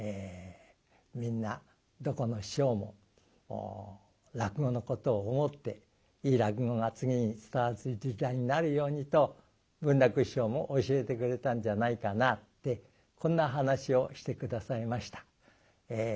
みんなどこの師匠も落語のことを思っていい落語が次に伝わる時代になるようにと文楽師匠も教えてくれたんじゃないかなってこんな話をして下さいました。